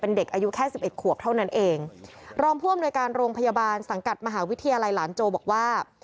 เด็กอายุแค่สิบเอ็ดขวบเท่านั้นเองรองผู้อำนวยการโรงพยาบาลสังกัดมหาวิทยาลัยหลานโจบอกว่า